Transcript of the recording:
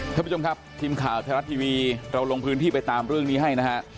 ท่านผู้ชมครับทีมข่าวไทยรัฐทีวีเราลงพื้นที่ไปตามเรื่องนี้ให้นะฮะ